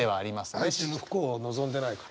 相手の不幸を望んでないから。